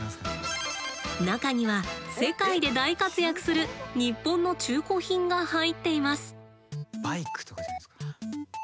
中には世界で大活躍する日本の中古品が入っています。